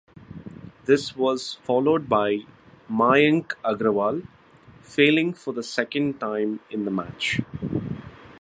This was followed by Mayank Agarwal failing for the second time in the match.